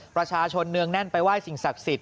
ประชาชนนึงแน่นไปว่ายสิ่งศักดิ์สิทธิ์